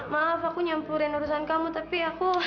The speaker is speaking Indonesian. maaf aku nyampurin urusan kamu tapi aku